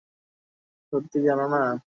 সত্যিই জানো না?